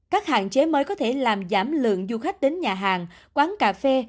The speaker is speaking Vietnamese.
các hạn chế mới có thể làm giảm lượng du khách đến nhà hàng quán cà phê